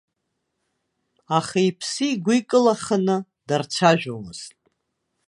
Аха иԥсы игәы икылаханы дарцәажәомызт.